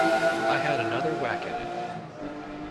I had another whack at it.